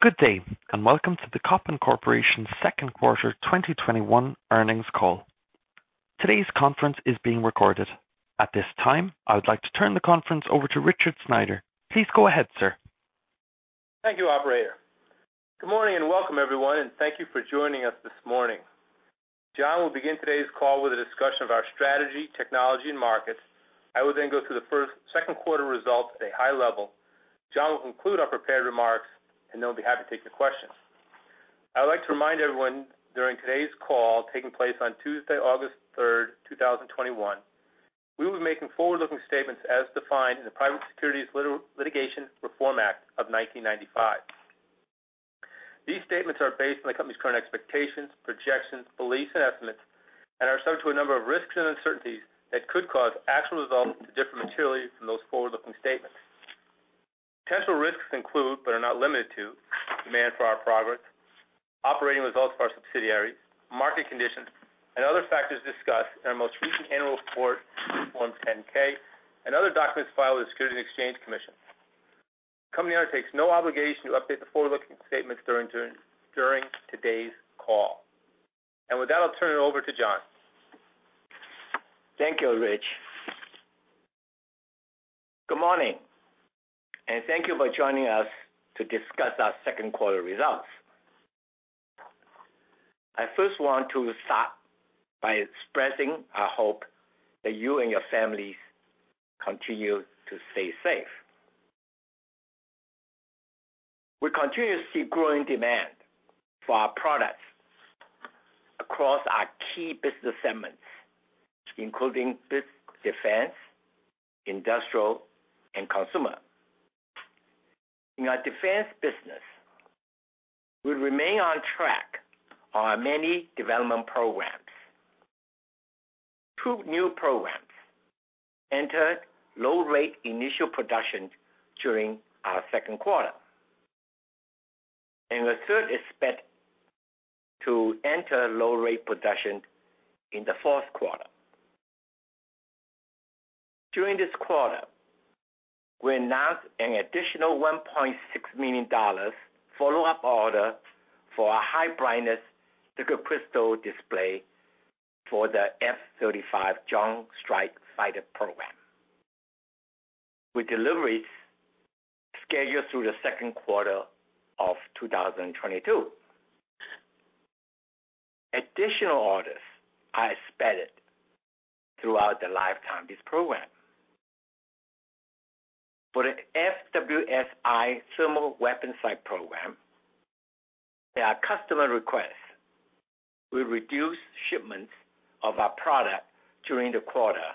Good day, and welcome to the Kopin Corporation second quarter 2021 earnings call. Today's conference is being recorded. At this time, I would like to turn the conference over to Richard Sneider. Please go ahead, sir. Thank you, operator. Good morning, and welcome everyone, and thank you for joining us this morning. John will begin today's call with a discussion of our strategy, technology, and markets. I will then go through the second quarter results at a high level. John will conclude our prepared remarks, and then we'll be happy to take your questions. I would like to remind everyone, during today's call, taking place on Tuesday, August 3rd, 2021, we will be making forward-looking statements as defined in the Private Securities Litigation Reform Act of 1995. These statements are based on the company's current expectations, projections, beliefs, and estimates, and are subject to a number of risks and uncertainties that could cause actual results to differ materially from those forward-looking statements. Potential risks include, but are not limited to, demand for our products, operating results of our subsidiaries, market conditions, and other factors discussed in our most recent annual report, Form 10-K, and other documents filed with the Securities and Exchange Commission. The company undertakes no obligation to update the forward-looking statements during today's call. With that, I'll turn it over to John. Thank you, Rich. Good morning, and thank you for joining us to discuss our second quarter results. I first want to start by expressing our hope that you and your families continue to stay safe. We continue to see growing demand for our products across our key business segments, including defense, industrial, and consumer. In our defense business, we remain on track on our many development programs. Two new programs entered low rate initial production during our second quarter, and the third is expected to enter low rate production in the fourth quarter. During this quarter, we announced an additional $1.6 million follow-up order for our high brightness liquid crystal display for the F-35 Joint Strike Fighter program, with deliveries scheduled through the second quarter of 2022. Additional orders are expected throughout the lifetime of this program. For the FWS-I Thermal Weapons Sight program, at our customer request, we reduced shipments of our product during the quarter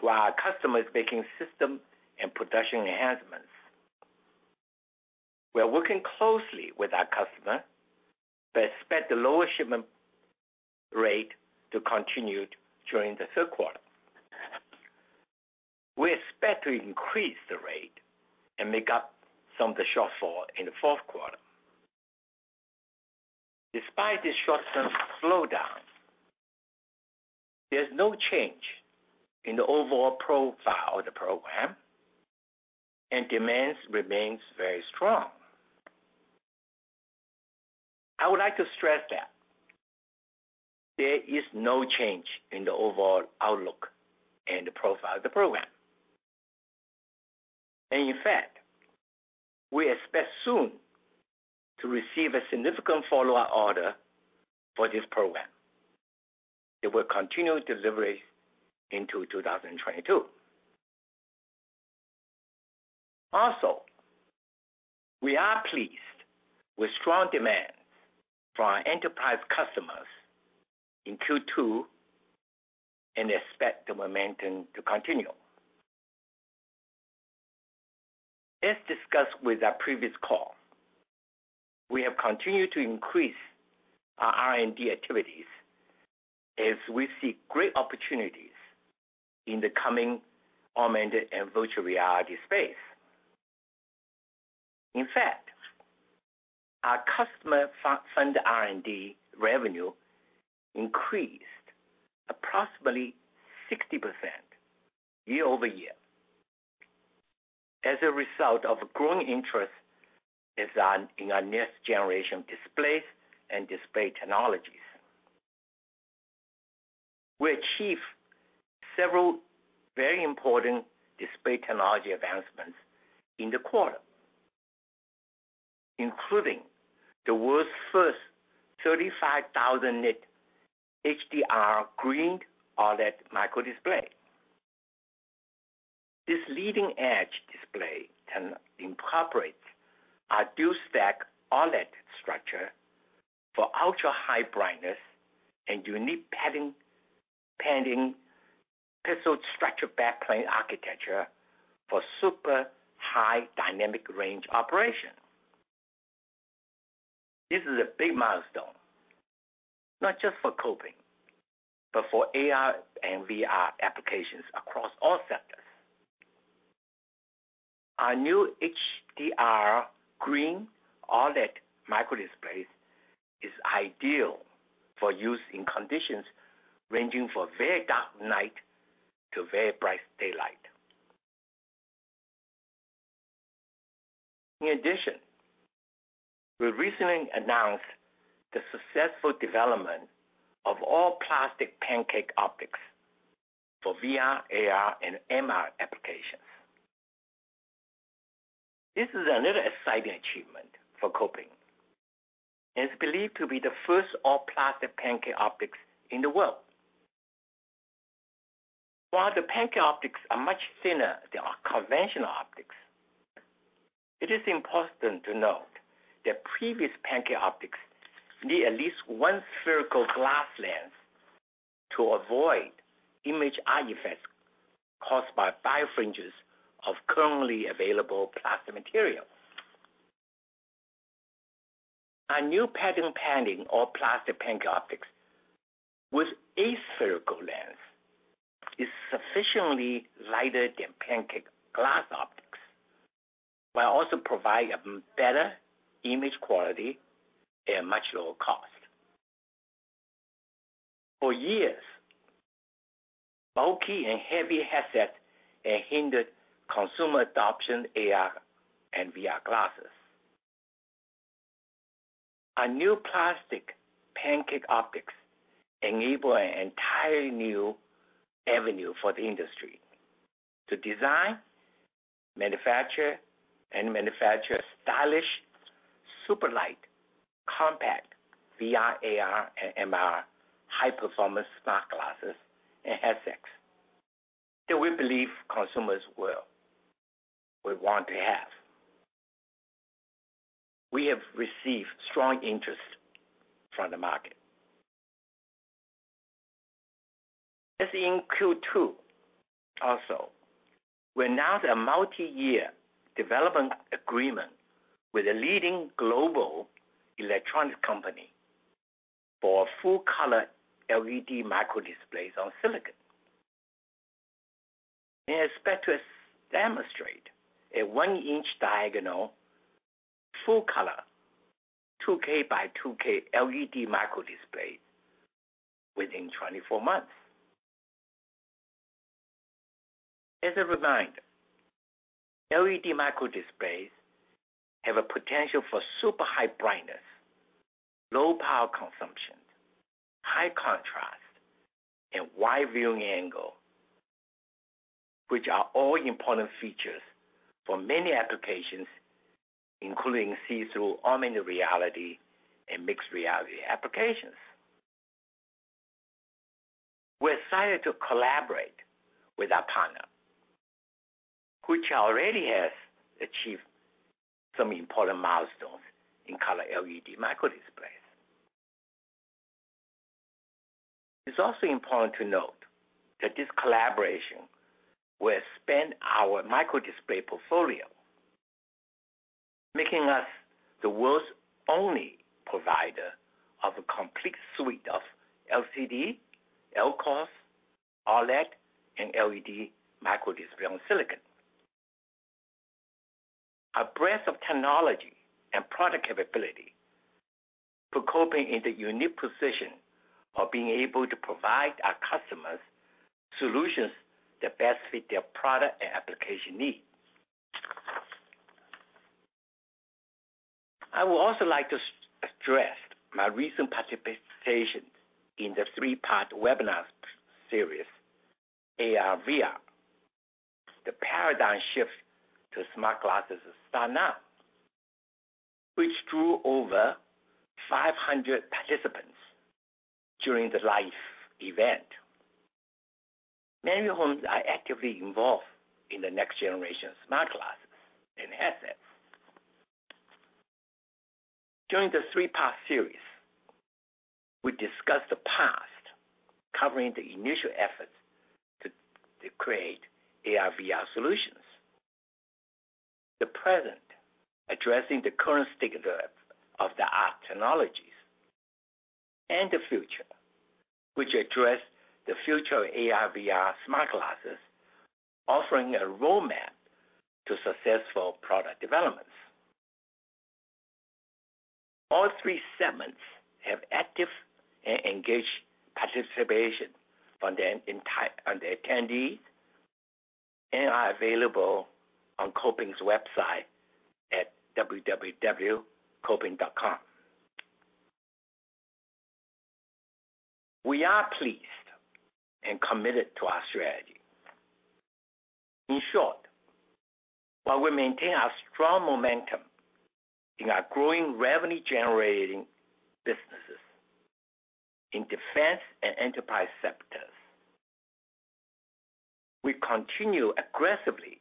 while our customer is making system and production enhancements. We are working closely with our customer, but expect the lower shipment rate to continue during the third quarter. We expect to increase the rate and make up some of the shortfall in the fourth quarter. Despite this short-term slowdown, there's no change in the overall profile of the program and demand remains very strong. I would like to stress that there is no change in the overall outlook and the profile of the program. In fact, we expect soon to receive a significant follow-on order for this program that will continue delivery into 2022. Also, we are pleased with strong demand for our enterprise customers in Q2 and expect the momentum to continue. As discussed with our previous call, we have continued to increase our R&D activities as we see great opportunities in the coming augmented and virtual reality space. Our customer-funded R&D revenue increased approximately 60% year-over-year as a result of growing interest in our next-generation displays and display technologies. We achieved several very important display technology advancements in the quarter, including the world's first 35,000-nit HDR green OLED microdisplay. This leading-edge display can incorporate a dual stack OLED structure for ultra-high brightness and unique pending pixel structure backplane architecture for super high dynamic range operation. This is a big milestone, not just for Kopin, but for AR and VR applications across all sectors. Our new HDR green OLED microdisplays is ideal for use in conditions ranging from very dark night to very bright daylight. In addition, we recently announced the successful development of all-plastic pancake optics for VR, AR, and MR applications. This is another exciting achievement for Kopin, and it's believed to be the first all-plastic pancake optics in the world. While the pancake optics are much thinner than our conventional optics, it is important to note that previous pancake optics need at least one spherical glass lens to avoid image artifacts caused by birefringence of currently available plastic material. Our new patent-pending all-plastic pancake optics with aspherical lens is sufficiently lighter than pancake glass optics, while also providing better image quality at a much lower cost. For years, bulky and heavy headsets have hindered consumer adoption AR and VR glasses. Our new plastic Pancake optics enable an entirely new avenue for the industry to design, manufacture stylish, super light, compact VR, AR, and MR high-performance smart glasses and headsets that we believe consumers will want to have. We have received strong interest from the market. As in Q2 also, we announced a multi-year development agreement with a leading global electronic company for full-color LED microdisplays on silicon and expect to demonstrate a 1 in diagonal full color, 2K by 2K LED microdisplay within 24 months. As a reminder, LED microdisplays have a potential for super high brightness, low power consumption, high contrast, and wide viewing angle, which are all important features for many applications, including see-through augmented reality and mixed reality applications. We're excited to collaborate with our partner, which already has achieved some important milestones in color LED microdisplays. It's also important to note that this collaboration will expand our microdisplay portfolio, making us the world's only provider of a complete suite of LCD, LCOS, OLED, and LED microdisplay on silicon. Our breadth of technology and product capability put Kopin in the unique position of being able to provide our customers solutions that best fit their product and application needs. I would also like to stress my recent participation in the three-part webinar series, AR/VR: The Paradigm Shift to Smart Glasses is Starting Now, which drew over 500 participants during the live event. Many of whom are actively involved in the next generation smart glasses and headsets. During the three-part series, we discussed the past, covering the initial efforts to create AR/VR solutions. The present, addressing the current state of the art technologies. The future, which addressed the future of AR/VR smart glasses, offering a roadmap to successful product developments. All three segments have active and engaged participation from the attendees and are available on Kopin's website at www.kopin.com. We are pleased and committed to our strategy. In short, while we maintain our strong momentum in our growing revenue-generating businesses in defense and enterprise sectors, we continue aggressively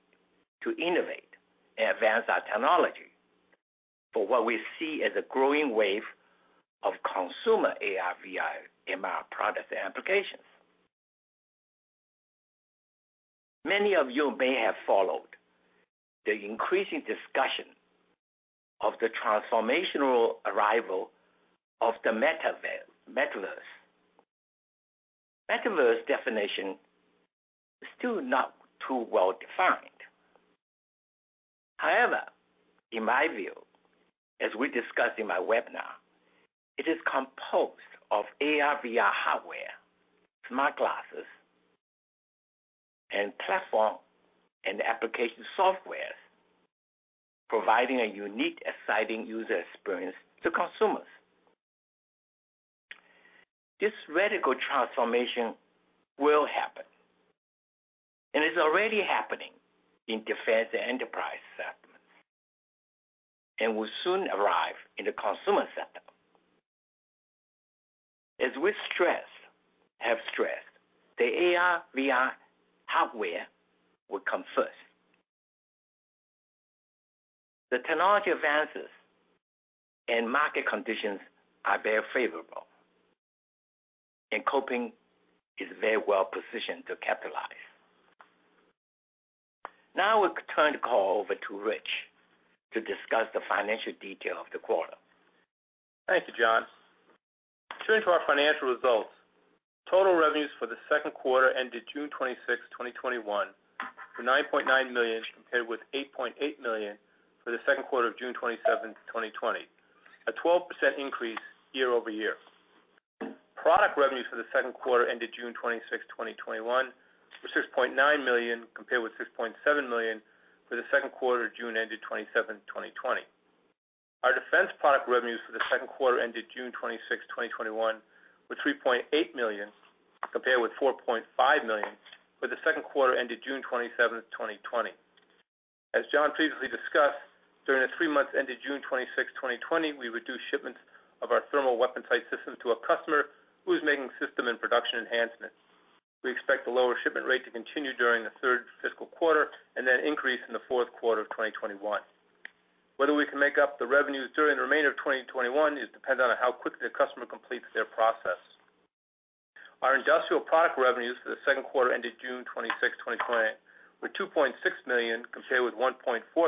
to innovate and advance our technology for what we see as a growing wave of consumer AR/VR/MR product applications. Many of you may have followed the increasing discussion of the transformational arrival of the metaverse. Metaverse definition is still not too well-defined. In my view, as we discussed in my webinar, it is composed of AR/VR hardware, smart glasses, and platform and application software, providing a unique, exciting user experience to consumers. This radical transformation will happen and is already happening in defense and enterprise segments, and will soon arrive in the consumer sector. As we have stressed, the AR/VR hardware will come first. The technology advances and market conditions are very favorable, and Kopin is very well positioned to capitalize. Now I will turn the call over to Rich to discuss the financial detail of the quarter. Thank you, John. Turning to our financial results, total revenues for the second quarter ended June 26, 2021, were $9.9 million, compared with $8.8 million for the second quarter of June 27, 2020, a 12% increase year-over-year. Product revenues for the second quarter ended June 26, 2021, were $6.9 million, compared with $6.7 million for the second quarter of June ended 27, 2020. Our defense product revenues for the second quarter ended June 26, 2021, were $3.8 million, compared with $4.5 million for the second quarter ended June 27, 2020. As John previously discussed, during the three months ended June 26, 2020, we reduced shipments of our thermal weapon sight systems to a customer who was making system and production enhancements. We expect the lower shipment rate to continue during the third fiscal quarter and then increase in the fourth quarter of 2021. Whether we can make up the revenues during the remainder of 2021, it depends on how quickly the customer completes their process. Our industrial product revenues for the second quarter ended June 26, 2020, were $2.6 million compared with $1.4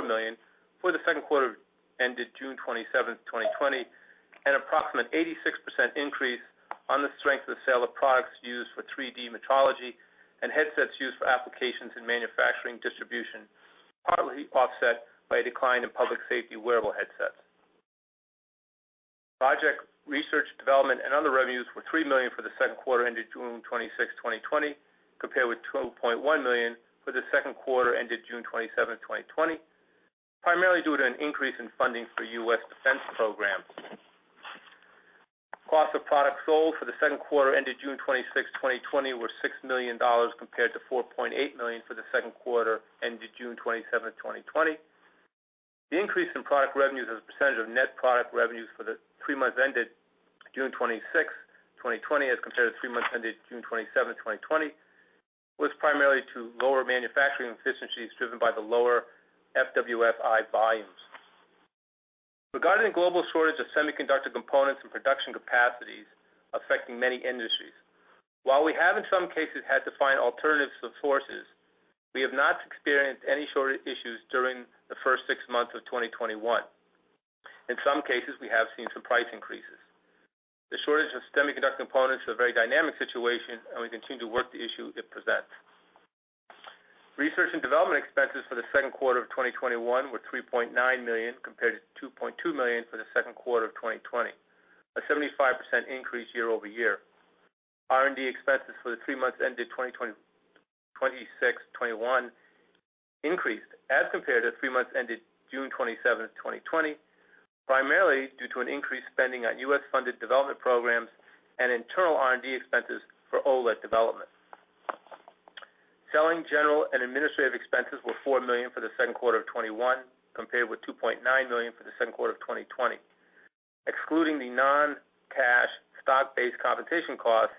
million for the second quarter ended June 27, 2020, an approximate 86% increase on the strength of the sale of products used for 3D metrology and headsets used for applications in manufacturing distribution, partly offset by a decline in public safety wearable headsets. Project research development and other revenues were $3 million for the second quarter ended June 26, 2020, compared with $12.1 million for the second quarter ended June 27, 2020, primarily due to an increase in funding for U.S. defense programs. Cost of products sold for the second quarter ended June 26, 2020, were $6 million, compared to $4.8 million for the second quarter ended June 27, 2020. The increase in product revenues as a percentage of net product revenues for the three months ended June 26, 2020, as compared to the three months ended June 27, 2020, was primarily to lower manufacturing efficiencies driven by the lower FWS-I volumes. Regarding the global shortage of semiconductor components and production capacities affecting many industries, while we have, in some cases, had to find alternatives with sources, we have not experienced any shortage issues during the first six months of 2021. In some cases, we have seen some price increases. The shortage of semiconductor components is a very dynamic situation, and we continue to work the issue it presents. Research and development expenses for the second quarter of 2021 were $3.9 million, compared to $2.2 million for the second quarter of 2020, a 75% increase year-over-year. R&D expenses for the three months ended June 26, 2021 increased as compared to the three months ended June 27, 2020, primarily due to an increased spending on U.S.-funded development programs and internal R&D expenses for OLED development. Selling, general, and administrative expenses were $4 million for the second quarter of 2021, compared with $2.9 million for the second quarter of 2020. Excluding the non-cash stock-based compensation costs,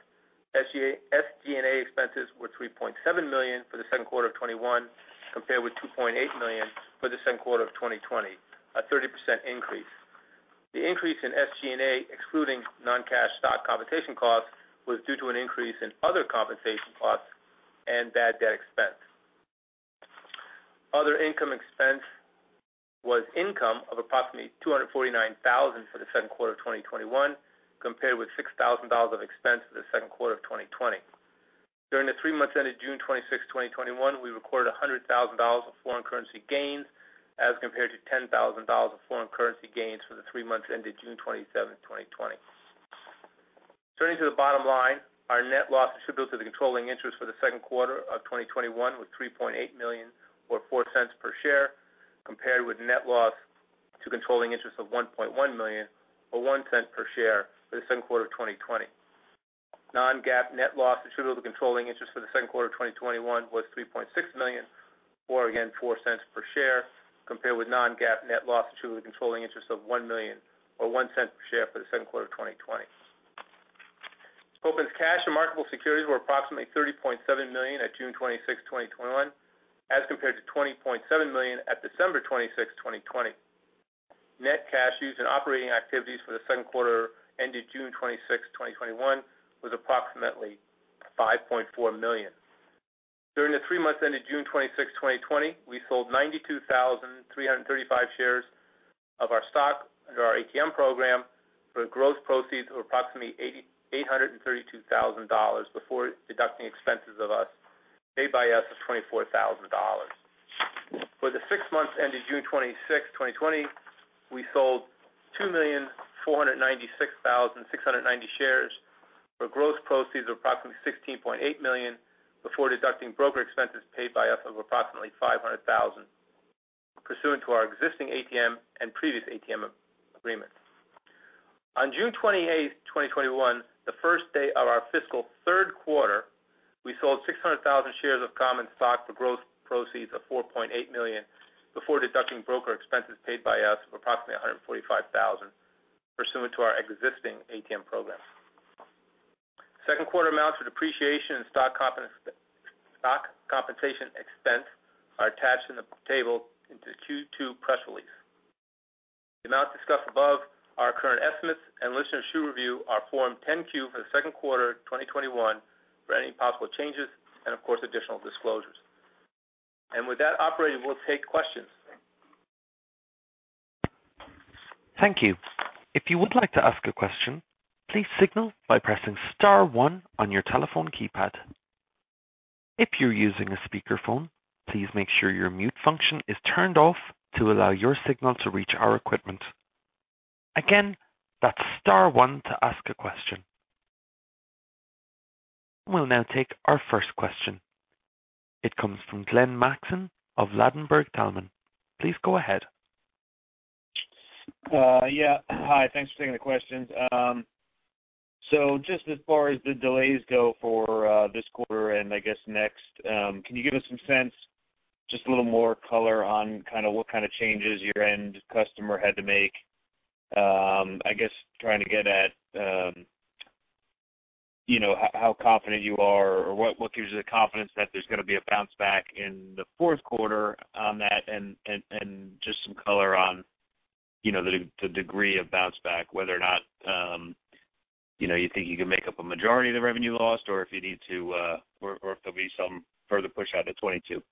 SG&A expenses were $3.7 million for the second quarter of 2021, compared with $2.8 million for the second quarter of 2020, a 30% increase. The increase in SG&A, excluding non-cash stock compensation costs, was due to an increase in other compensation costs and bad debt expense. Other income expense was income of approximately $249,000 for the second quarter of 2021, compared with $6,000 of expense for the second quarter of 2020. During the three months ended June 26, 2021, we recorded $100,000 of foreign currency gains, as compared to $10,000 of foreign currency gains for the three months ended June 27, 2020. Turning to the bottom line, our net loss attributable to the controlling interest for the second quarter of 2021 was $3.8 million, or $0.04 per share, compared with net loss to controlling interest of $1.1 million, or $0.01 per share for the second quarter of 2020. Non-GAAP net loss attributable to controlling interest for the second quarter 2021 was $3.6 million or, again, $0.04 per share, compared with non-GAAP net loss to controlling interest of $1 million, or $0.01 per share for the second quarter of 2020. Kopin's cash and marketable securities were approximately $30.7 million at June 26, 2021, as compared to $20.7 million at December 26, 2020. Net cash used in operating activities for the second quarter ended June 26, 2021, was approximately $5.4 million. During the three months ended June 26, 2020, we sold 92,335 shares of our stock under our ATM program for gross proceeds of approximately $832,000 before deducting expenses paid by us of $24,000. For the six months ended June 26, 2020, we sold 2,496,690 shares for gross proceeds of approximately $16.8 million before deducting broker expenses paid by us of approximately $500,000 pursuant to our existing ATM and previous ATM agreement. On June 28th, 2021, the first day of our fiscal third quarter, we sold 600,000 shares of common stock for gross proceeds of $4.8 million before deducting broker expenses paid by us of approximately $145,000 pursuant to our existing ATM program. Second quarter amounts for depreciation and stock compensation expense are attached in the table in the Q2 press release. The amounts discussed above are current estimates, and listeners should review our Form 10-Q for the second quarter 2021 for any possible changes and of course, additional disclosures. With that Operator, we'll take questions. Thank you. If you would like to ask a question, please signal by pressing star one on your telephone keypad. If you're using a speakerphone, please make sure your mute function is turned off to allow your signal to reach our equipment. Again, that's star one to ask a question. We'll now take our first question. It comes from Glenn Mattson of Ladenburg Thalmann. Please go ahead. Yeah. Hi. Thanks for taking the questions. Just as far as the delays go for this quarter and I guess next, can you give us some sense, just a little more color on what kind of changes your end customer had to make? I guess trying to get at how confident you are or what gives you the confidence that there's going to be a bounce back in the fourth quarter on that and just some color on the degree of bounce back, whether or not you think you can make up a majority of the revenue lost or if there'll be some further push out to 2022.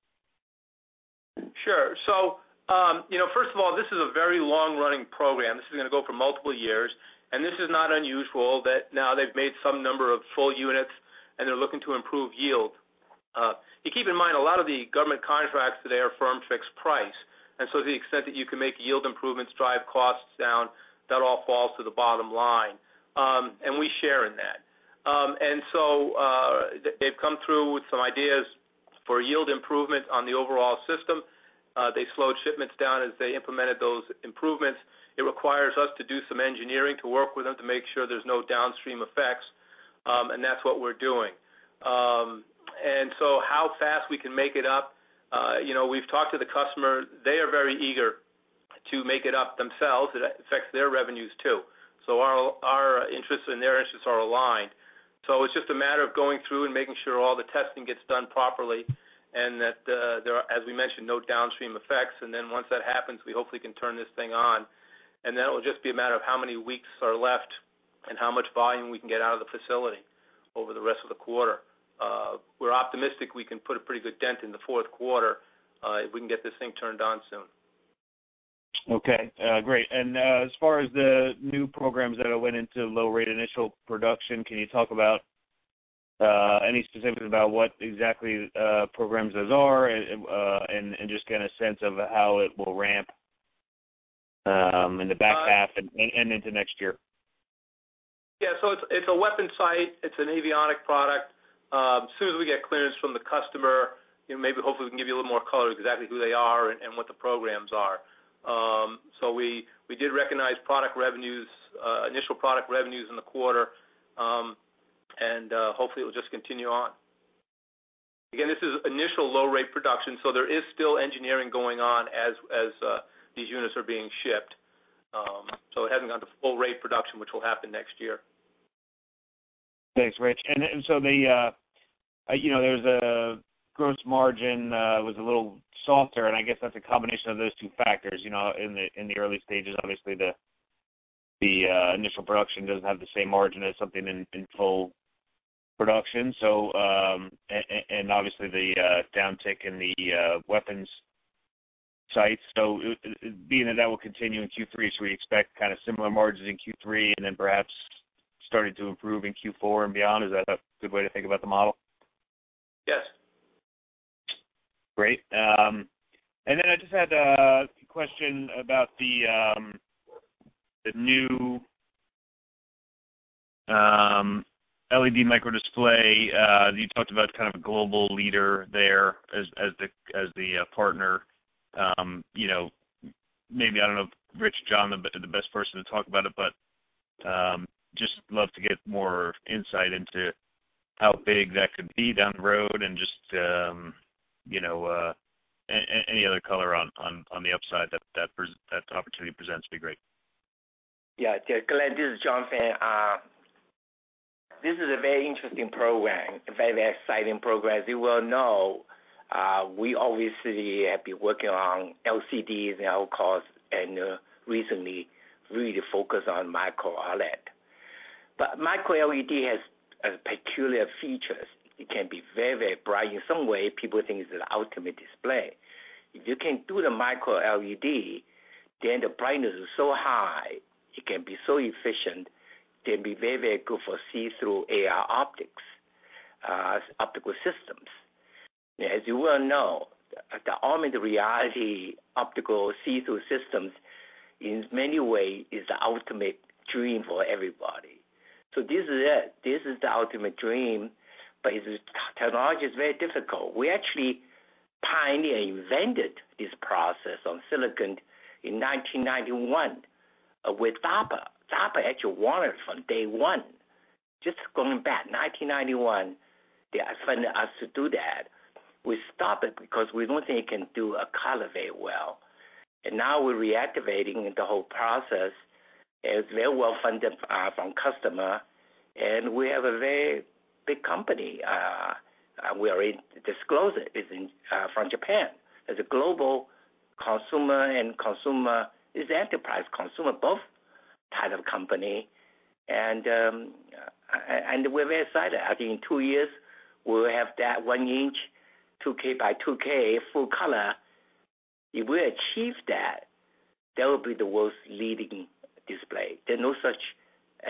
Sure. First of all, this is a very long-running program. This is going to go for multiple years, and this is not unusual that now they've made some number of full units and they're looking to improve yield. Keep in mind, a lot of the government contracts today are firm fixed price, to the extent that you can make yield improvements, drive costs down, that all falls to the bottom line. We share in that. They've come through with some ideas for yield improvement on the overall system. They slowed shipments down as they implemented those improvements. It requires us to do some engineering to work with them to make sure there's no downstream effects, and that's what we're doing. How fast we can make it up, we've talked to the customer. They are very eager to make it up themselves. It affects their revenues too. Our interests and their interests are aligned. It's just a matter of going through and making sure all the testing gets done properly and that there are, as we mentioned, no downstream effects. Once that happens, we hopefully can turn this thing on, and then it will just be a matter of how many weeks are left and how much volume we can get out of the facility over the rest of the quarter. We're optimistic we can put a pretty good dent in the fourth quarter if we can get this thing turned on soon. Okay. Great. As far as the new programs that went into low-rate initial production, can you talk about any specifics about what exactly programs those are and just get a sense of how it will ramp in the back half and into next year? Yeah. It's a weapon sight. It's an avionic product. As soon as we get clearance from the customer, maybe hopefully we can give you a little more color exactly who they are and what the programs are. We did recognize initial product revenues in the quarter, and hopefully it will just continue on. Again, this is initial low-rate production, so there is still engineering going on as these units are being shipped. It hasn't gone to full-rate production, which will happen next year. Thanks, Rich. There's a gross margin was a little softer, and I guess that's a combination of those two factors. In the early stages, obviously the initial production doesn't have the same margin as something in full production. Obviously the downtick in the weapons sites. Being that will continue in Q3, should we expect kind of similar margins in Q3 and then perhaps starting to improve in Q4 and beyond? Is that a good way to think about the model? Yes. Great. I just had a question about the new LED micro display. You talked about kind of a global leader there as the partner. Maybe, I don't know if Rich or John are the best person to talk about it, just love to get more insight into how big that could be down the road and just any other color on the upside that opportunity presents would be great. Yeah. Glenn, this is John Fan. This is a very interesting program, a very exciting program. As you well know, we obviously have been working on LCDs and LCOS and recently really focused on micro LED. Micro LED has peculiar features. It can be very, very bright. In some way, people think it's the ultimate display. If you can do the micro LED, the brightness is so high, it can be so efficient, it can be very, very good for see-through AR optics, optical systems. As you well know, the augmented reality optical see-through systems in many ways is the ultimate dream for everybody. This is it. This is the ultimate dream. This technology is very difficult. We actually pioneered and invented this process on silicon in 1991 with DARPA. DARPA actually wanted it from day one. Just going back, 1991, they funded us to do that. We stopped it because we don't think it can do a color very well. Now we're reactivating the whole process, and it's very well-funded from customer, and we have a very big company. We already disclosed it. It's from Japan. It's a global enterprise consumer, both type of company. We're very excited. I think in two years, we will have that 1 in, 2K by 2K full color. If we achieve that will be the world's leading display. There's no such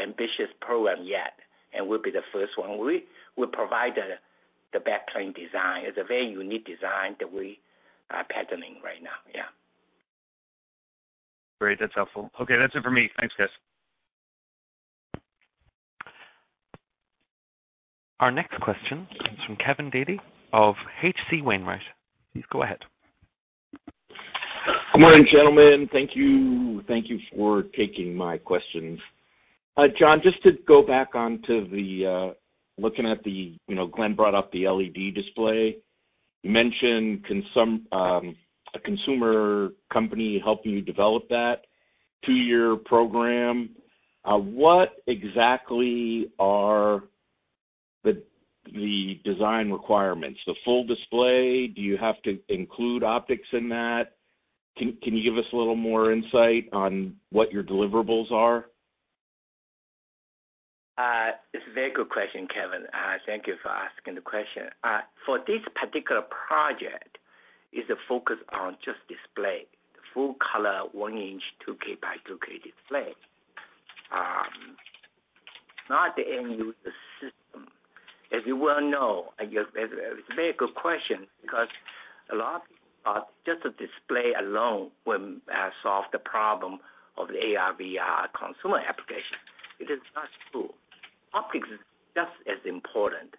ambitious program yet, and we'll be the first one. We will provide the back plane design. It's a very unique design that we are patenting right now. Yeah. Great. That is helpful. Okay. That is it for me. Thanks, guys. Our next question comes from Kevin Dede of H.C. Wainwright. Please go ahead. Good morning, gentlemen. Thank you for taking my questions. John, just to go back onto the LED display Glenn brought up. You mentioned a consumer company helping you develop that two-year program. What exactly are the design requirements? The full display, do you have to include optics in that? Can you give us a little more insight on what your deliverables are? It's a very good question, Kevin. Thank you for asking the question. For this particular project, it's a focus on just display, the full color, 1 in, 2K by 2K display. Not the end-user system. As you well know, it's a very good question because a lot of people thought just a display alone would solve the problem of the AR/VR consumer application. It is not true. Optics is just as important.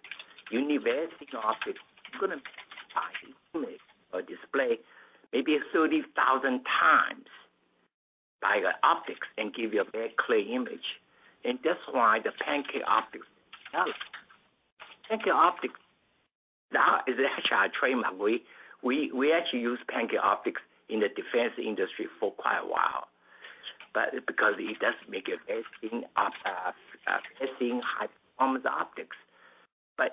You need very thick optics. You're going to magnify the image or display maybe 30,000 times by your optics and give you a very clear image. That's why the Pancake optics. Pancake optics now is actually our trademark. We actually used Pancake optics in the defense industry for quite a while because it does make a very thin, high-performance optics.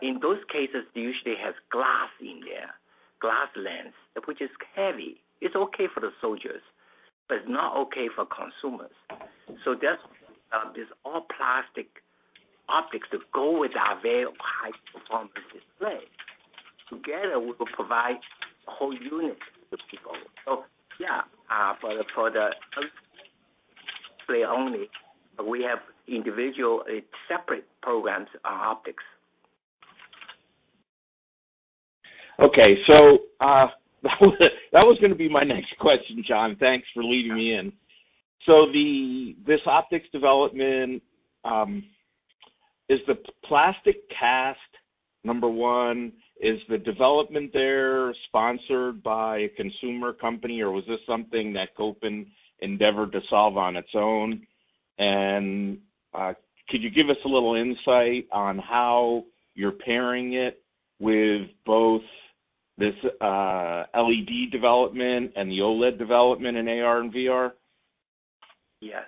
In those cases, they usually have glass in there, glass lens, which is heavy. It's okay for the soldiers, but it's not okay for consumers. That's why these all plastic optics that go with our very high-performance display, together, we will provide a whole unit to people. Yeah, for the display only, we have individual separate programs on optics. Okay. That was going to be my next question, John. Thanks for leading me in. This optics development, is the plastic cast, number one, is the development there sponsored by a consumer company, or was this something that Kopin endeavored to solve on its own? Could you give us a little insight on how you're pairing it with both this LED development and the OLED development in AR and VR? Yes.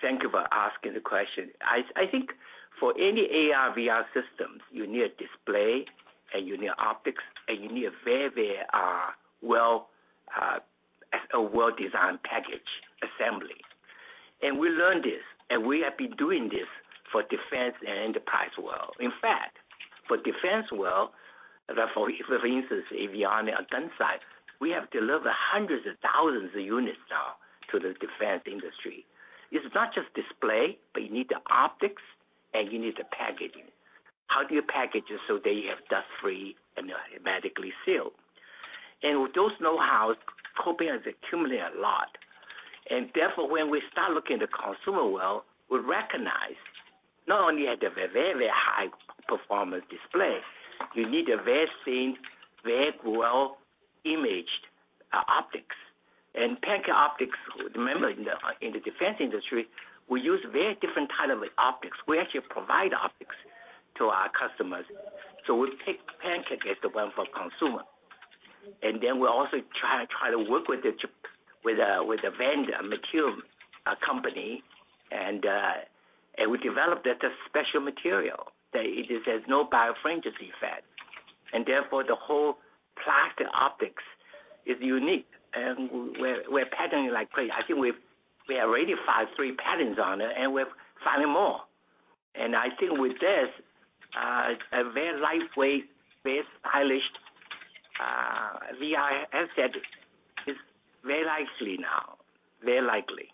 Thank you for asking the question. I think for any AR/VR systems, you need a display, and you need optics, and you need a very well-designed package assembly. We learned this, and we have been doing this for defense and enterprise world. In fact, for defense world, for instance, if you're on a gun sight, we have delivered hundreds of thousands of units now to the defense industry. It's not just display, but you need the optics, and you need the packaging. How do you package it so that you have dust-free and automatically sealed? With those know-hows, Kopin has accumulated a lot. Therefore, when we start looking at the consumer world, we recognize not only at the very, very high performance display, you need a very thin, very well-imaged optics. Pancake optics, remember in the defense industry, we use very different type of optics. We actually provide optics to our customers. We take pancake as the one for consumer. Then we also try to work with a vendor, material company, and we developed a special material that it has no birefringence effect. Therefore, the whole plastic optics is unique, and we're patterning like crazy. I think we have already filed three patents on it, and we're filing more. I think with this, a very lightweight-based, stylish, VR headset is very likely now. Very likely.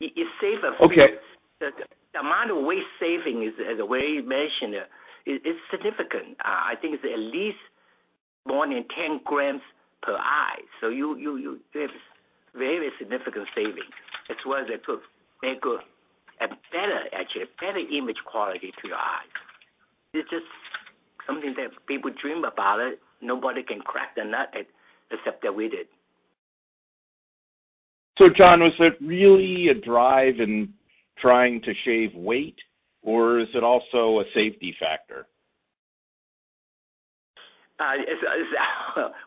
It's safer. Okay. The amount of weight saving, as the way you mentioned, is significant. I think it's at least more than 10 g per eye. You have very significant savings. As well as it looks very good, and better, actually, better image quality to your eyes. It's just something that people dream about it. Nobody can crack the nut, except that we did. John, was it really a drive in trying to shave weight, or is it also a safety factor?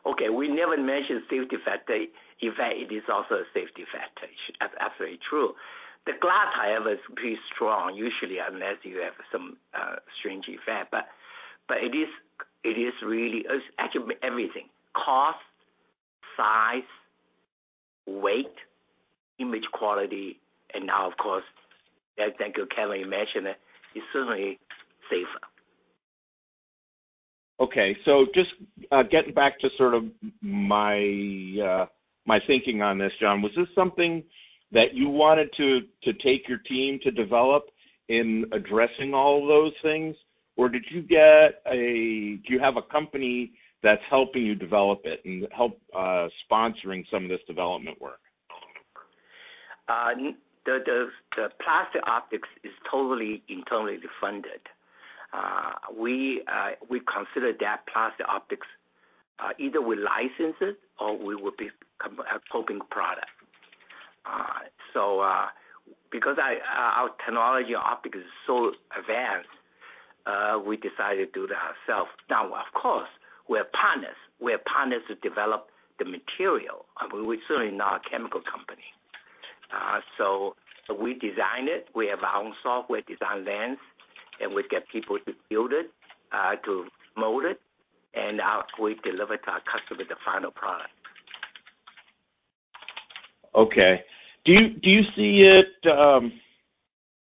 Okay, we never mentioned safety factor. In fact, it is also a safety factor. Absolutely true. The glass, however, is pretty strong usually, unless you have some strange effect. It is really actually everything. Cost, size, weight, image quality, and now, of course, as I think Kevin mentioned it's certainly safer. Okay, just getting back to sort of my thinking on this, John, was this something that you wanted to take your team to develop in addressing all of those things? Do you have a company that's helping you develop it and help sponsoring some of this development work? The plastic optics is totally internally funded. We consider that plastic optics, either we license it, or we will become a Kopin product. Because our technology optic is so advanced, we decided to do that ourself. Now, of course, we have partners. We have partners to develop the material. We're certainly not a chemical company. We design it, we have our own software design lens, and we get people to build it, to mold it, and we deliver to our customer the final product. Okay.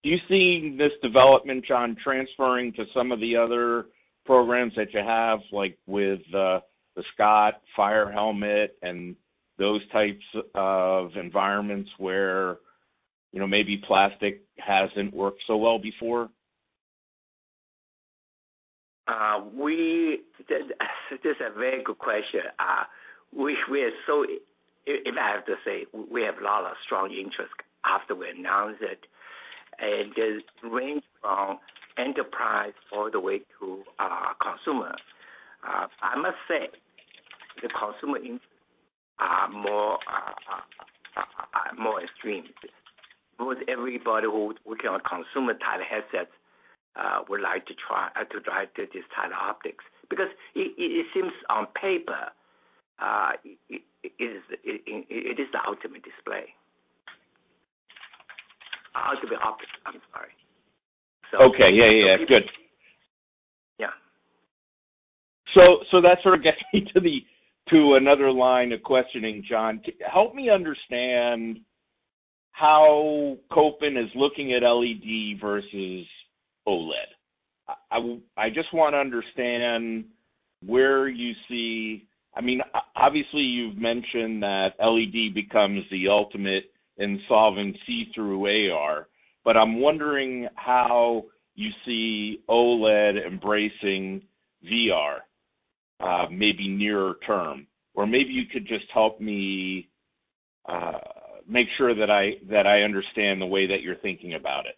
Do you see this development, John, transferring to some of the other programs that you have, like with the Scott fire helmet and those types of environments where maybe plastic hasn't worked so well before? That's a very good question. If I have to say, we have a lot of strong interest after we announced it. It range from enterprise all the way to consumer. I must say, the consumer interest are more extreme. Almost everybody who working on consumer-type headsets would like to try to this type of optics. It seems on paper it is the ultimate display. Ultimate optic. I'm sorry. Okay. Yeah. Good. Yeah. That sort of gets me to another line of questioning, John. Help me understand how Kopin is looking at LED versus OLED. I just want to understand. Obviously, you've mentioned that LED becomes the ultimate in solving see-through AR, but I'm wondering how you see OLED embracing VR, maybe nearer term. Maybe you could just help me make sure that I understand the way that you're thinking about it.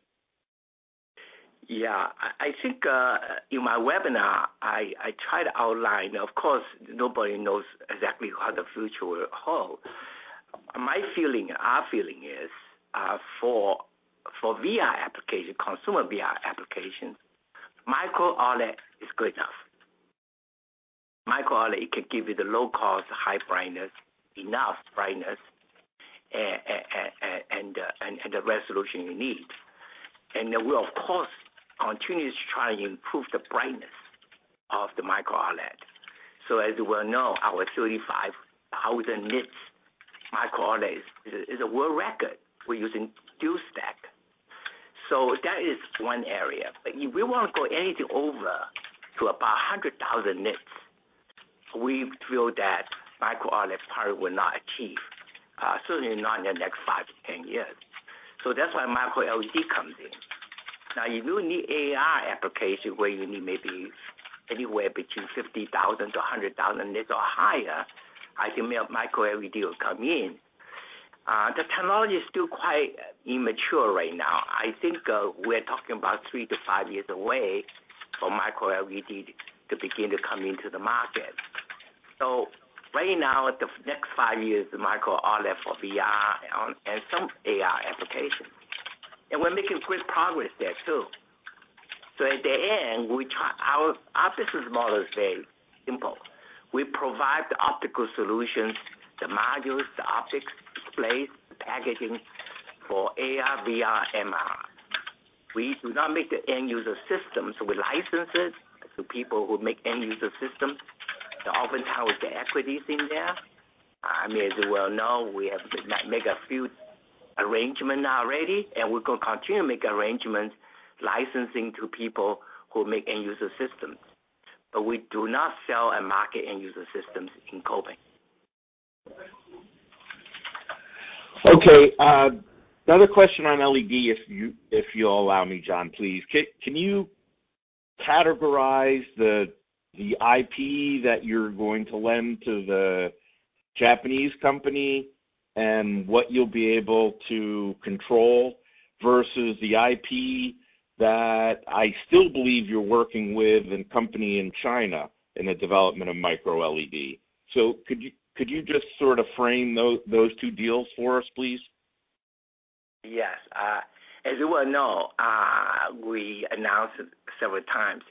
Yeah. I think in my webinar, I tried to outline, of course, nobody knows exactly what the future will hold. My feeling, our feeling is, for consumer VR applications, micro-OLED is good enough. Micro-OLED, it could give you the low cost, high brightness, enough brightness, and the resolution you need. We'll, of course, continuously try and improve the brightness of the micro-OLED. As you well know, our 35,000 nits micro-OLED is a world record. We're using two stack. That is one area. If we want to go anything over to about 100,000 nits, we feel that micro-OLED probably will not achieve, certainly not in the next 5-10 years. That's why micro-LED comes in. Now, if you need AR application where you need maybe anywhere between 50,000 to 100,000 nits or higher, I think micro-LED will come in. The technology is still quite immature right now. I think we're talking about three to five years away for micro-LED to begin to come into the market. Right now, the next five years, micro-OLED for VR and some AR applications. We're making great progress there, too. In the end, our business model is very simple. We provide the optical solutions, the modules, the optics, displays, the packaging for AR/VR/MR. We do not make the end user systems. We license it to people who make end user systems. They oftentimes get equities in there. As you well know, we have made a few arrangements already, and we're going to continue to make arrangements licensing to people who make end user systems. We do not sell and market end user systems in Kopin. Okay. Another question on LED, if you'll allow me, John, please. Can you categorize the IP that you're going to lend to the Japanese company and what you'll be able to control versus the IP that I still believe you're working with a company in China in the development of micro-LED? Could you just sort of frame those two deals for us, please? Yes. As you well know, we announced it several times.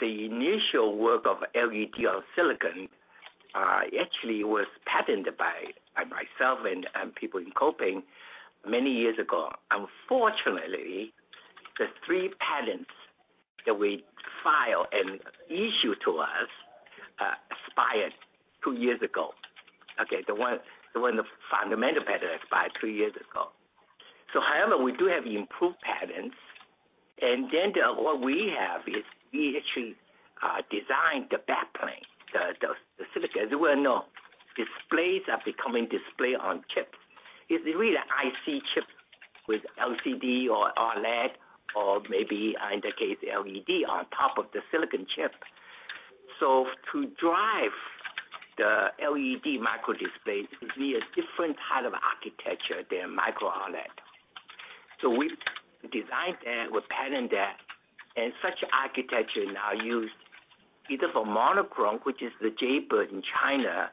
The initial work of LED on silicon actually was patented by myself and people in Kopin many years ago. Unfortunately, the three patents that we filed and issued to us expired two years ago. Okay. The one, the fundamental patent expired two years ago. However, we do have improved patents, and then what we have is we actually designed the back plane, the silicon. As you well know, displays are becoming display on chip. It's really an IC chip with LCD or OLED or maybe in the case, LED on top of the silicon chip. To drive the LED microdisplay, we need a different kind of architecture than micro-OLED. We designed that, we patented that, and such architecture now used either for monochrome, which is the Jade Bird in China,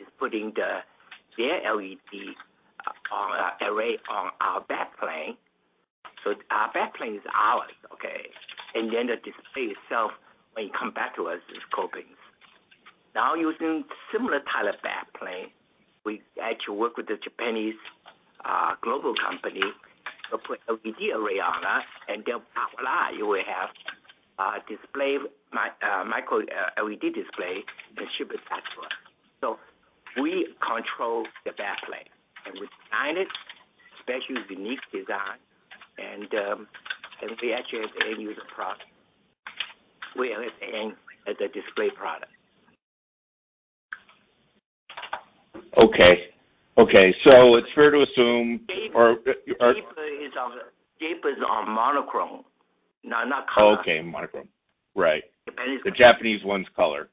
is putting their LED array on our back plane. Our back plane is ours, okay? The display itself, when it come back to us, is Kopin's. Using similar type of back plane, we actually work with the Japanese global company to put LED array on that, and then voila, you will have a micro-LED display that ships out to us. We control the back plane, and we design it, especially with unique design. We actually have the end user product. We have it as a display product. Okay. It's fair to assume. Jade Bird's on monochrome. Not color. Okay, monochrome. Right. Japan is color. The Japanese one's color.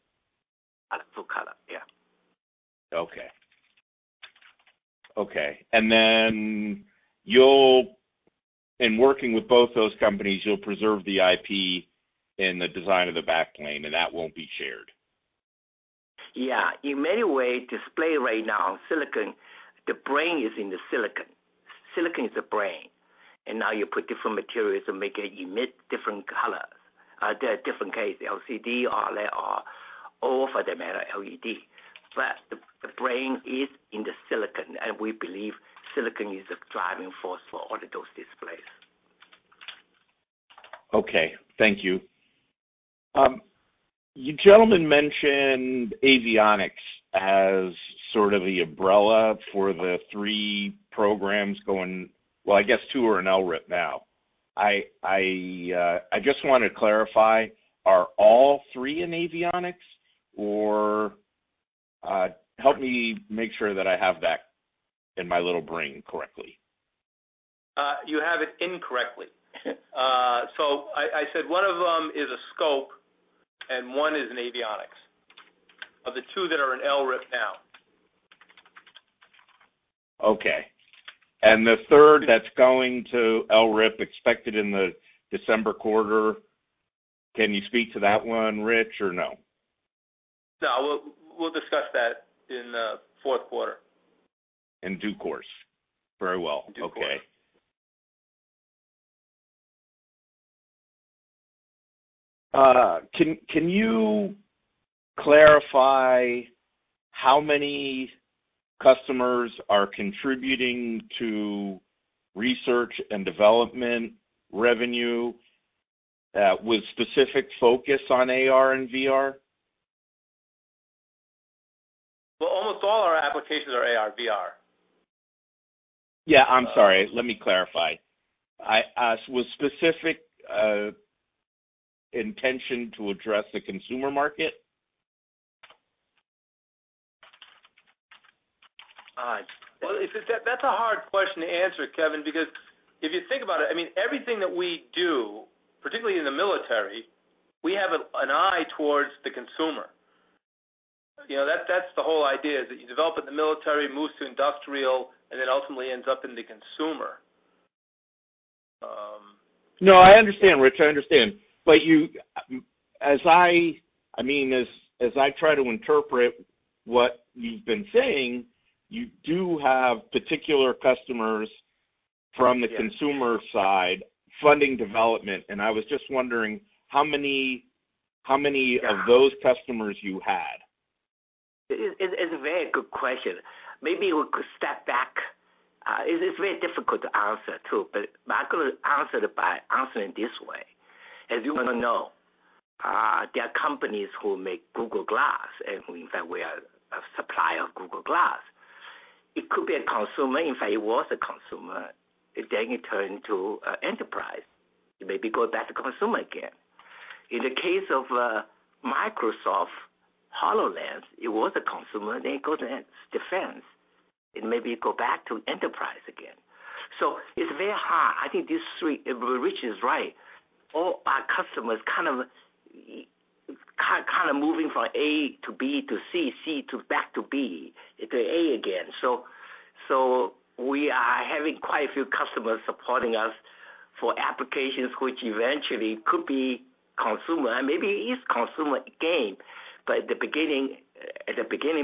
Full color, yeah. Okay. In working with both those companies, you'll preserve the IP and the design of the backplane, and that won't be shared. Yeah. In many ways, display right now on silicon, the brain is in the silicon. Silicon is the brain. Now you put different materials and make it emit different colors. There are different case, LCD, OLED, or for that matter, LED. The brain is in the silicon, and we believe silicon is the driving force for all of those displays. Okay. Thank you. You gentlemen mentioned avionics as sort of the umbrella for the three programs going. Well, I guess two are in LRIP now. I just want to clarify, are all three in avionics, or help me make sure that I have that in my little brain correctly. You have it incorrectly. I said one of them is a scope and one is an avionics. Of the two that are in LRIP now. Okay. The third that's going to LRIP expected in the December quarter, can you speak to that one, Richard, or no? No, we'll discuss that in the fourth quarter. In due course. Very well. In due course. Okay. Can you clarify how many customers are contributing to research and development revenue, with specific focus on AR and VR? Well, almost all our applications are AR/VR. Yeah. I'm sorry. Let me clarify. With specific intention to address the consumer market? Well, that's a hard question to answer, Kevin, because if you think about it, everything that we do, particularly in the military, we have an eye towards the consumer. That's the whole idea is that you develop it in the military, moves to industrial, and then ultimately ends up in the consumer. No, I understand, Rich. I understand. As I try to interpret what you've been saying, you do have particular customers from the consumer side funding development. I was just wondering how many of those customers you had. It's a very good question. Maybe we could step back. It's very difficult to answer, too, but I could answer it by answering this way. You want to know, there are companies who make Google Glass, and who, in fact, we are a supplier of Google Glass. It could be a consumer. In fact, it was a consumer. It turned to enterprise. It maybe go back to consumer again. In the case of Microsoft HoloLens, it was a consumer, it go to defense. It maybe go back to enterprise again. It's very hard. I think these three, if we reach this right, all our customers kind of moving from A to B to C back to B, to A again. We are having quite a few customers supporting us for applications which eventually could be consumer, and maybe it is consumer again, but at the beginning,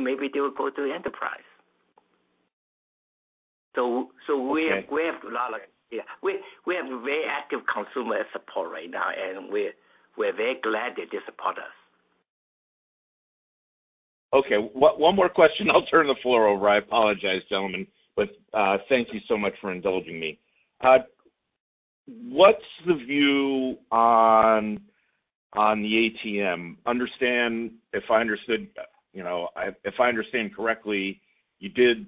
maybe they will go to the enterprise. Okay. We have a very active consumer support right now, and we're very glad that they support us. Okay. One more question, I'll turn the floor over. I apologize, gentlemen, but thank you so much for indulging me. What's the view on the ATM? If I understand correctly, you did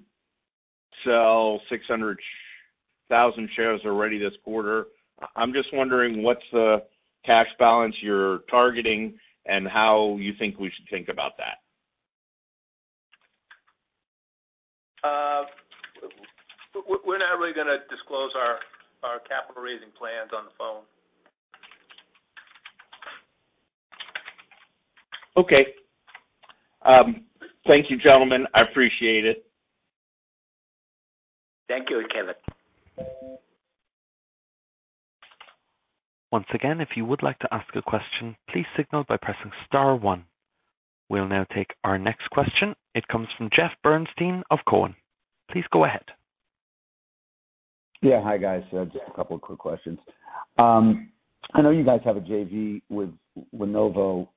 sell 600,000 shares already this quarter. I'm just wondering what's the cash balance you're targeting and how you think we should think about that. We're not really going to disclose our capital raising plans on the phone. Okay. Thank you, gentlemen. I appreciate it. Thank you, Kevin. It comes from Jeff Bernstein of Cowen. Please go ahead. Yeah. Hi, guys. Just a couple of quick questions. I know you guys have a JV with Lenovo.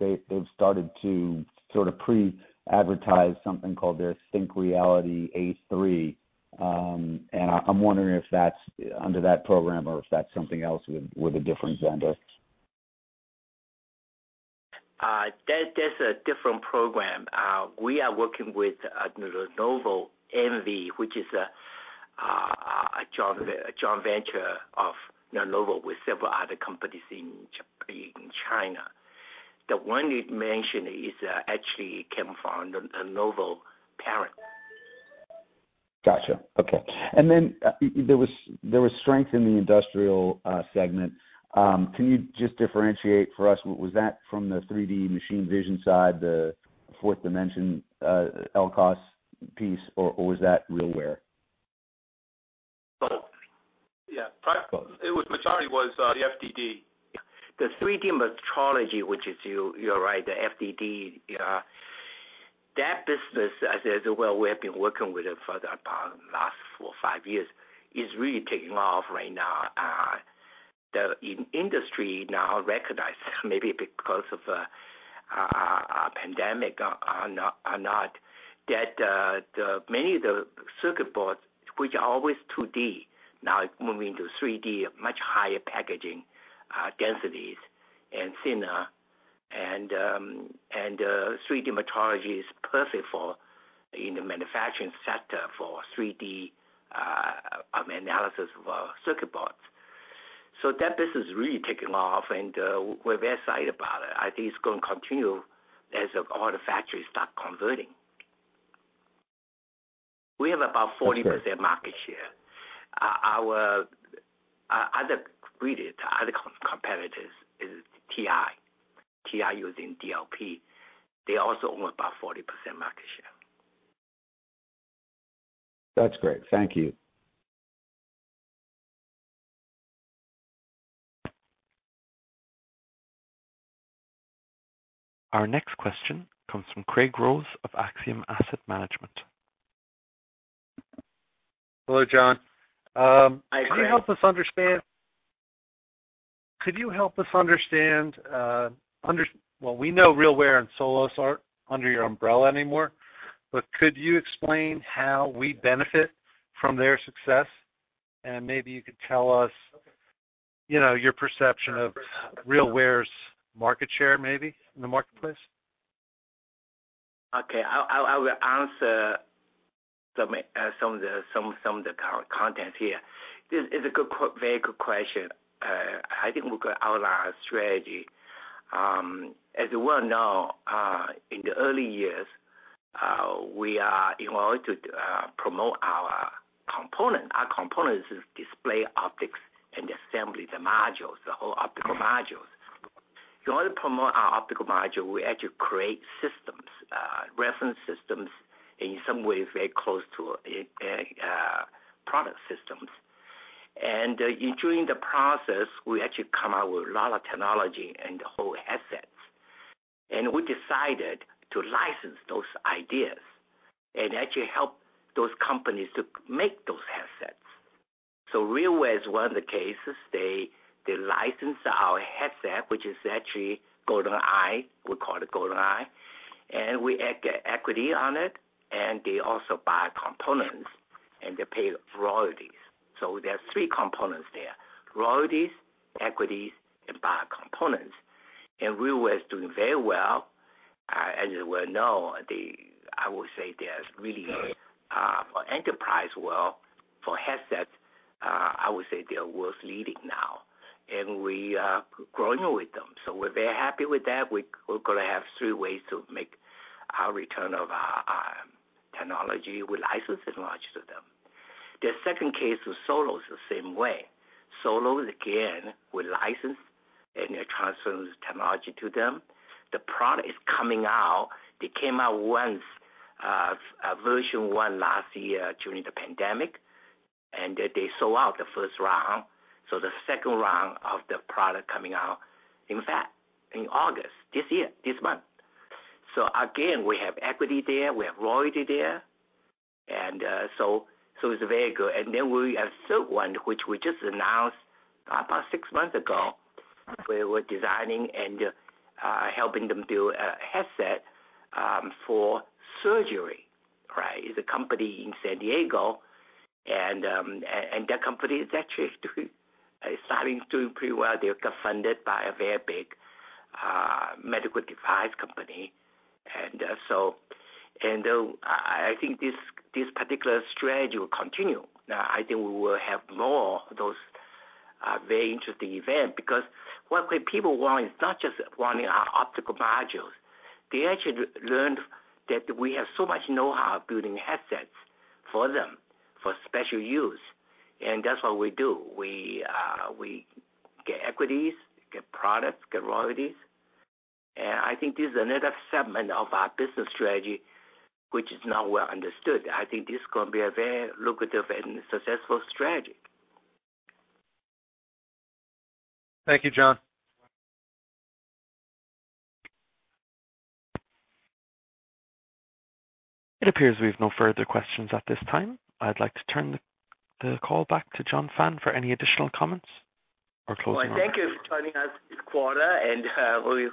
They've started to sort of pre-advertise something called their ThinkReality A3. I'm wondering if that's under that program or if that's something else with a different vendor. That's a different program. We are working with Lenovo NV, which is a joint venture of Lenovo with several other companies in China. The one you mentioned actually came from the Lenovo parent. Got you. Okay. There was strength in the industrial segment. Can you just differentiate for us, was that from the 3D machine vision side, the Forth Dimension, LCOS piece, or was that RealWear? Both. Yeah. Both. Majority was the FDD. The 3D metrology, which is, you're right, the FDD, that business, as well, we have been working with them for about the last four or five years, is really taking off right now. The industry now recognize, maybe because of pandemic or not, that many of the circuit boards, which are always 2D, now moving to 3D, much higher packaging densities and thinner. 3D metrology is perfect in the manufacturing sector for 3D analysis of circuit boards. That business is really taking off, and we're very excited about it. I think it's going to continue as all the factories start converting. We have about 40% market share. Our other competitors is TI. TI using DLP. They also own about 40% market share. That's great. Thank you. Our next question comes from Craig Rose of Axiom Asset Management. Hello, John. Hi, Craig. Well, we know RealWear and Solos aren't under your umbrella anymore, but could you explain how we benefit from their success? Maybe you could tell us your perception of RealWear's market share in the marketplace? Okay. I will answer some of the content here. This is a very good question. I think we're going to outline our strategy. As you well know, in the early years, in order to promote our component, our component is display optics and assembly, the modules, the whole optical modules. In order to promote our optical module, we had to create systems, reference systems, in some ways, very close to product systems. During the process, we actually come out with a lot of technology and whole assets. We decided to license those ideas and actually help those companies to make those assets. So RealWear is one of the cases. They licensed our headset, which is actually called an eye, we call it Golden-i, and we get equity on it, and they also buy components and they pay royalties. There are three components there, royalties, equities, and buy components. RealWear is doing very well. As you well know, I would say they are really for enterprise wear, for headsets, I would say they are world's leading now. We are growing with them, so we're very happy with that. We're going to have three ways to make our return of our technology. We licensed technology to them. The second case with Solos is the same way. Solos, again, we licensed and transferred technology to them. The product is coming out. They came out once, version one, last year during the pandemic, and they sold out the first round. The second round of the product coming out, in fact, in August this year. This month. Again, we have equity there. We have royalty there. It's very good. We have third one, which we just announced about six months ago. We were designing and helping them do a headset for surgery. It's a company in San Diego, and that company is actually starting to do pretty well. They got funded by a very big medical device company. I think this particular strategy will continue. I think we will have more of those very interesting events because what people want is not just wanting our optical modules. They actually learned that we have so much know-how building headsets for them, for special use, and that's what we do. We get equities, get products, get royalties. I think this is another segment of our business strategy, which is now well understood. I think this is going to be a very lucrative and successful strategy. Thank you, John. It appears we have no further questions at this time. I'd like to turn the call back to John Fan for any additional comments or closing remarks. Thank you for joining us this quarter, and we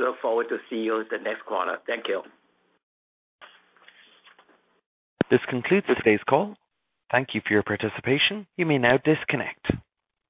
look forward to seeing you the next quarter. Thank you. This concludes today's call. Thank you for your participation. You may now disconnect.